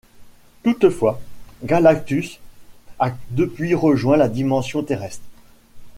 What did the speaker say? Toutefois, Galactus a depuis rejoint la dimension terrestre.